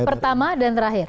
pertama dan terakhir